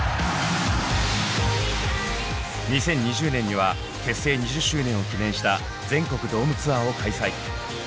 ２０２０年には結成２０周年を記念した全国ドームツアーを開催。